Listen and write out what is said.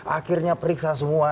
akhirnya periksa semua